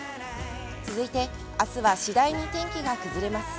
続いて、あすは次第に天気が崩れます。